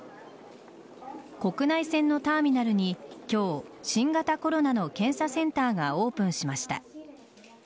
国内線のターミナルに今日新型コロナの検査センターがオープンしました。